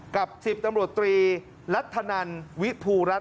กับ๑๐ตำรวจตรีรัฐนันวิภูรัฐ